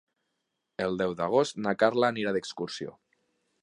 El deu d'agost na Carla anirà d'excursió.